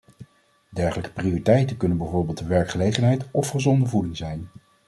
Dergelijke prioriteiten kunnen bijvoorbeeld de werkgelegenheid of gezonde voeding zijn.